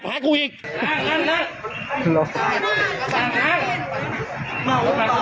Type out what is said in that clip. ภาพนี้เป็นหน้า